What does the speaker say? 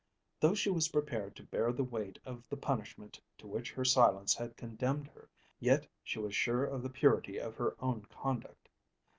Though she was prepared to bear the weight of the punishment to which her silence had condemned her, yet she was sure of the purity of her own conduct.